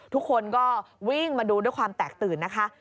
ทุกคนก็วิ่งมาดูด้วยความแตกตื่นนะคะ